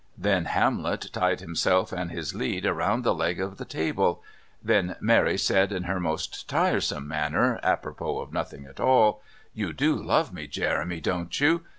Then Hamlet tied himself and his "lead" round the leg of the table; then Mary said in her most tiresome manner, apropos of nothing at all, "You do love me, Jeremy, don't you?"